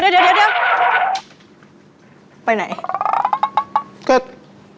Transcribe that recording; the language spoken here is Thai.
เพื่อนจริงหรอใช่เพื่อนหรอ